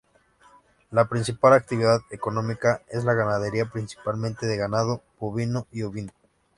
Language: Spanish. La principal actividad económica es la ganadería, principalmente de ganado bovino y ovino.